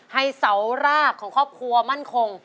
ให้เสารากของครอบครัวมั่นคง